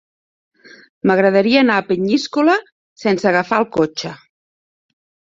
M'agradaria anar a Peníscola sense agafar el cotxe.